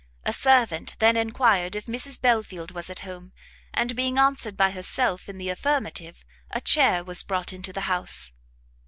A servant then enquired if Mrs Belfield was at home, and being answered by herself in the affirmative, a chair was brought into the house.